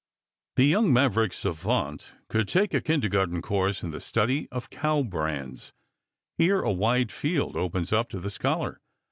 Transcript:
The young Maverick savant could take a kindergarten course in the study of cow brands. Here a wide field opens up to the scholar.